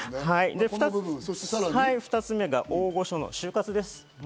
そして２つ目が大御所の終活です。